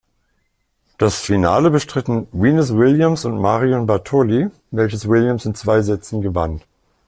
Das Finale bestritten Venus Williams und Marion Bartoli, welches Williams in zwei Sätzen gewann.